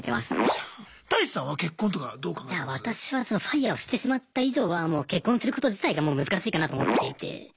いや私はＦＩＲＥをしてしまった以上はもう結婚すること自体がもう難しいかなと思っていて。